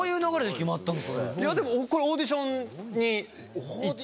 いやでもこれオーディションに行って。